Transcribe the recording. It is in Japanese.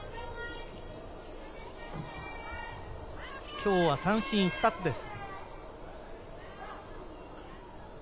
今日は三振２つです。